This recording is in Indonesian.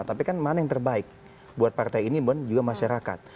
tapi kan mana yang terbaik buat partai ini dan juga masyarakat